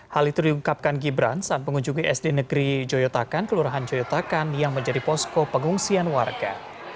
hal itu diungkapkan gibran saat mengunjungi sd negeri joyotakan kelurahan joyotakan yang menjadi posko pengungsian warga